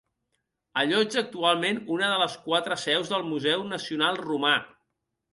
Allotja actualment una de les quatre seus del Museu Nacional Romà.